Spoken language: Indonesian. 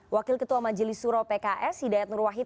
wakil ketua majelis suro pks hidayat nurwahid